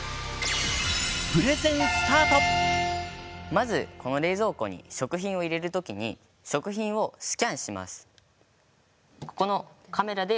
まずこの冷蔵庫に食品を入れるときに食品をスキャンします。